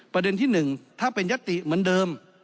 ประเด็นที่๑ถ้าเป็นยติเหมือนเดิม